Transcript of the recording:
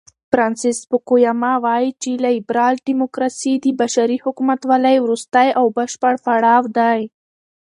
فرانسیس فوکویاما وایي چې لیبرال دیموکراسي د بشري حکومتولۍ وروستی او بشپړ پړاو دی.